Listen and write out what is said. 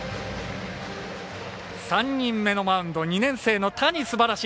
３人目のマウンド、２年生の谷すばらしい